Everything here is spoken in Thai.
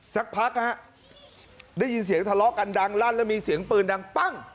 สักพักฮะได้ยินเสียงทะเลาะกันดังลั่นแล้วมีเสียงปืนดังปั้ง